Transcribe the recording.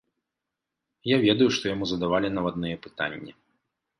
Я ведаю, што яму задавалі навадныя пытанні.